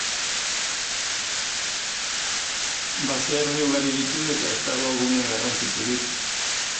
Baserri ugari ditu eta ez dago gune garrantzitsurik.